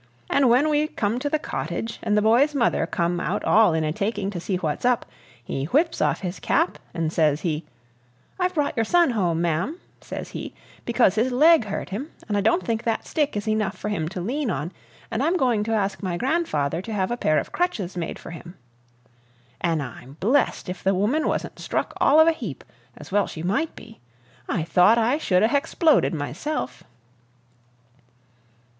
And when we come to the cottage, an' the boy's mother come out all in a taking to see what's up, he whips off his cap an' ses he, 'I've brought your son home, ma'am,' ses he, 'because his leg hurt him, and I don't think that stick is enough for him to lean on; and I'm going to ask my grandfather to have a pair of crutches made for him.' An' I'm blessed if the woman wasn't struck all of a heap, as well she might be! I thought I should 'a' hex plodid, myself!"